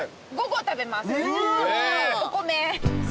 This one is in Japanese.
お米。